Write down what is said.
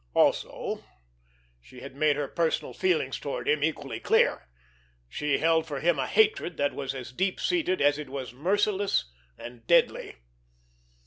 Also she had made her personal feelings toward him equally clear—she held for him a hatred that was as deep seated as it was merciless and deadly.